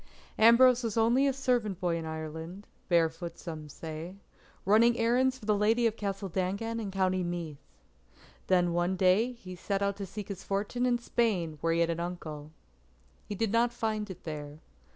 Ambrose was only a servant boy in Ireland, barefoot some say, running errands for the Lady of Castle Dangan in County Meath. Then one day he set out to seek his fortune in Spain where he had an uncle. He did not find it there.